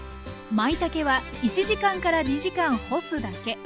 まいたけは１時間から２時間干すだけ。